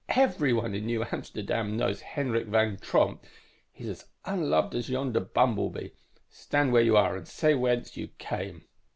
"Everyone in New Amsterdam knows Henrik Van Tromp. He's as unloved as yonder bumblebee. Stand where you are and say whence you came."